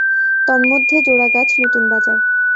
তন্মধ্যে-জোড়গাছ নতুন বাজার।